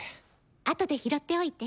あとで拾っておいて。